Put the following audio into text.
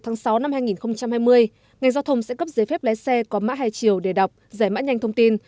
ngành giao thông sẽ cấp giấy phép lái xe có mã hai chiều để đọc giải mã nhanh thông tin